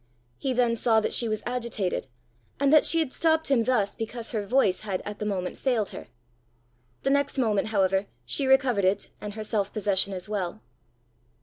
He then saw that she was agitated, and that she had stopped him thus because her voice had at the moment failed her. The next moment, however, she recovered it, and her self possession as well.